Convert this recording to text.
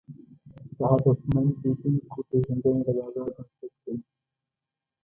د هدفمن لیدونکو پېژندنه د بازار بنسټ ده.